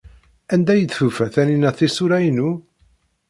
Anda ay tufa Taninna tisura-inu?